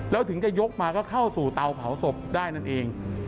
แล้วถึงจะยกมาก็เข้าสู่เตาเผาศพได้นั่นเอง